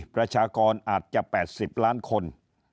ประชากรอาจจะ๘๐ล้านคน